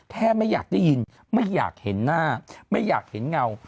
ไม่อยากได้ยินไม่อยากเห็นหน้าไม่อยากเห็นเงา